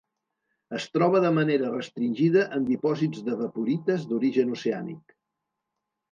Es troba de manera restringida en dipòsits d'evaporites d'origen oceànic.